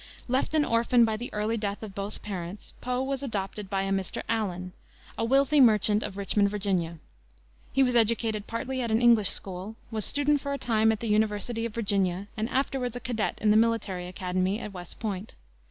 Left an orphan by the early death of both parents, Poe was adopted by a Mr. Allan, a wealthy merchant of Richmond, Va. He was educated partly at an English school, was student for a time in the University of Virginia and afterward a cadet in the Military Academy at West Point.